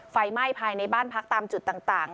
ไฟไหม้ภายในบ้านพักตามจุดต่าง